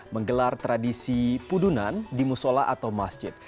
menggelar tradisi pudunan di musola atau masjid